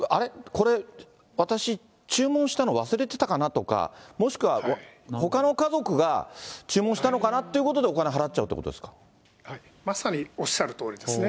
これ、私、注文したの忘れてたかなとか、もしくはほかの家族が注文したのかなってことでお金払っちゃうとはい、まさにおっしゃるとおりですね。